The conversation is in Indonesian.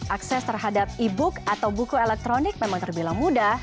akses terhadap e book atau buku elektronik memang terbilang mudah